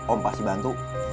om pasti bantu